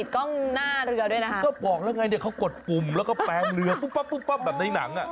เขามุดลงไปแล้วมันจะมีท่อพ่นออกมาเป็นในตั๊ก